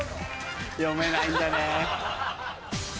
読めないんだね！